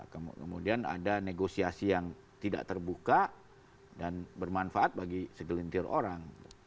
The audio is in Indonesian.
kemudian ada negosiasi yang tidak terbuka dan bermanfaat bagi segelintir orang